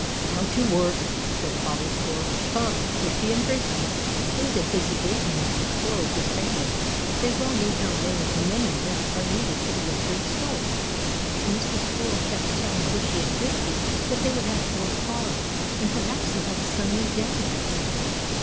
"Now to work," said Father Squirrel. "Come, Bushy and Frisky." It was a busy day for Mr. Squirrel's family. They well knew how many, many nuts are needed for the winter's store, and Mr. Squirrel kept telling Bushy and Frisky that they would have to work hard, and perhaps until the sun went down that day.